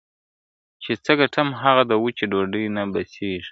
چي څه ګټم هغه د وچي ډوډۍ نه بسیږي !.